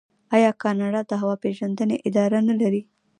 آیا کاناډا د هوا پیژندنې اداره نلري؟